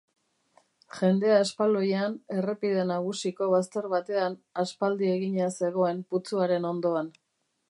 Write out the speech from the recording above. Jendea espaloian, errepide nagusiko bazter batean aspaldi egina zegoen putzuaren ondoan.